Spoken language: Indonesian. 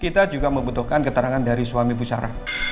kita juga membutuhkan keterangan dari suami bu sarah